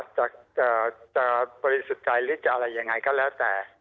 จะปฏิสุจัยหรืออะไรอย่างไรก็แล้วแต่